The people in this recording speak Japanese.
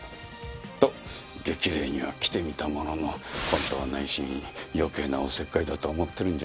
と激励には来てみたものの本当は内心余計なお節介だと思ってるんじゃないの？